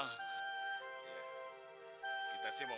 ya dengan senang hati jamal